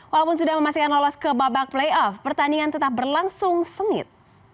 walaupun sudah memastikan lolos ke babak playoff pertandingan tetap berlangsung sengit